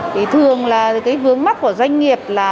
thì thường là cái vướng mắt của doanh nghiệp là